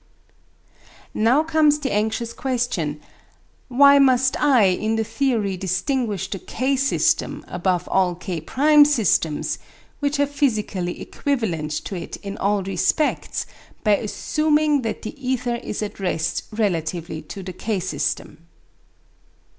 Now comes the anxious question: Why must I in the theory distinguish the K system above all K' systems, which are physically equivalent to it in all respects, by assuming that the ether is at rest relatively to the K system?